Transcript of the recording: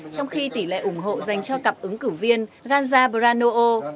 trong khi tỷ lệ ủng hộ giành cho cặp ứng cử viên ganja brano o